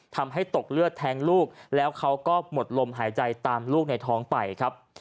ทำให้ตกเลือดแทงลูกแล้วเขาก็หมดลมหายใจตามลูกในท้องไปครับ